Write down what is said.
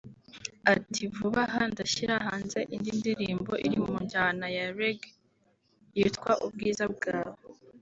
Ati “Vuba aha ndashyira hanze indi ndirimbo iri mu njyana ya Reggae yitwa “Ubwiza Bwawe”